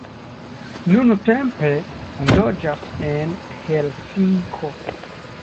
Nuntempe loĝas en Helsinko.